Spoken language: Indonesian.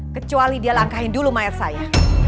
kecuali dia langkahin dulu mayat saya